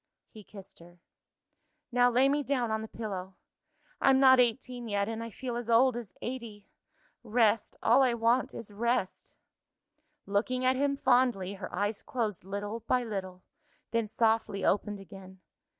He kissed her. "Now lay me down on the pillow. I'm not eighteen yet and I feel as old as eighty! Rest; all I want is rest." Looking at him fondly, her eyes closed little by little then softly opened again.